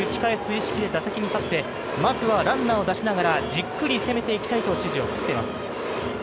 センター中心に打ち返す意識で打席に立って、まずはランナーを出しながらじっくり攻めていきたいと指示を出しています。